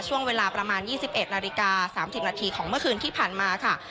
ช่วงเวลาประมาณยี่สิบเอ็ดนาฬิกาสามสิบนาทีของเมื่อคืนที่ผ่านมาค่ะ